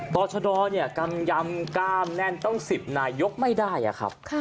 ต่อชะดอเนี่ยกำยำก้ามแน่นต้อง๑๐นายกไม่ได้อะครับ